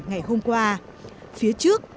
ngày hôm qua phía trước